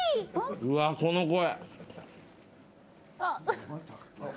うわこの声。